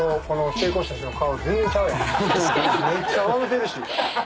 めっちゃ笑うてるし。